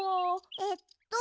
えっと